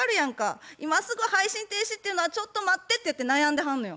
今すぐ配信停止っていうのはちょっと待ってっていって悩んではんのよ。